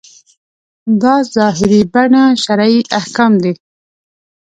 دا ظاهري بڼه شرعي احکام دي.